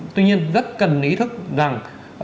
tuy nhiên rất cần ý thức rằng